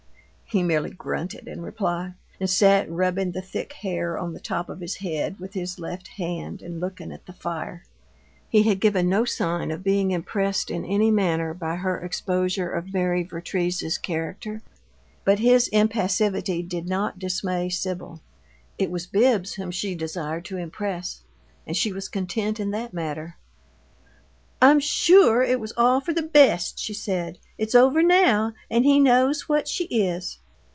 He merely grunted in reply, and sat rubbing the thick hair on the top of his head with his left hand and looking at the fire. He had given no sign of being impressed in any manner by her exposure of Mary Vertrees's character; but his impassivity did not dismay Sibyl it was Bibbs whom she desired to impress, and she was content in that matter. "I'm sure it was all for the best," she said. "It's over now, and he knows what she is.